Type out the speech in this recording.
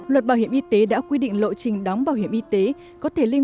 luật bảo hiểm y tế đã quy định lộ trình đóng bảo hiểm y tế